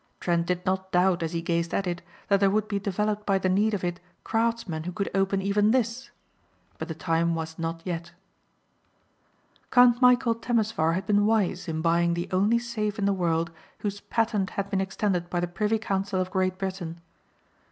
Trent did not doubt, as he gazed at it, that there would be developed by the need of it craftsmen who could open even this. But the time was not yet. Count Michæl Temesvar had been wise in buying the only safe in the world whose patent had been extended by the Privy Council of Great Britain.